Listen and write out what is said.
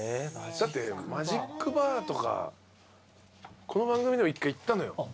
だってマジックバーとかこの番組でも一回行ったのよ。